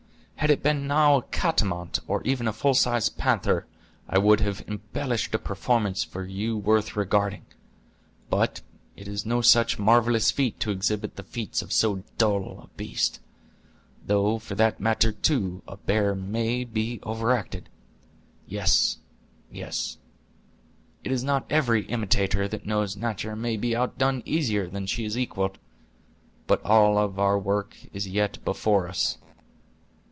Had it been now a catamount, or even a full size panther, I would have embellished a performance for you worth regarding. But it is no such marvelous feat to exhibit the feats of so dull a beast; though, for that matter, too, a bear may be overacted. Yes, yes; it is not every imitator that knows natur' may be outdone easier than she is equaled. But all our work is yet before us.